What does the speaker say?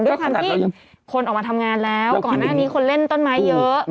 ด้วยความที่คนออกมาทำงานแล้วก่อนหน้านี้คนเล่นต้นไม้เยอะ